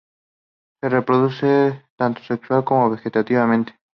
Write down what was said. Se reproduce tanto sexual como vegetativamente.